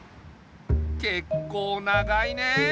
けっこう長いね。